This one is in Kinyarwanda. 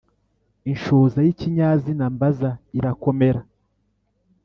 Inshoza y’ikinyazina mbaza irakomera